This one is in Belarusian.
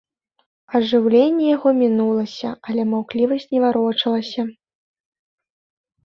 Ажыўленне яго мінулася, але маўклівасць не варочалася.